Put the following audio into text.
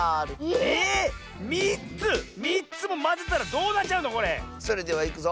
ええっ⁉３つ⁉３つもまぜたらどうなっちゃうのこれ⁉それではいくぞ。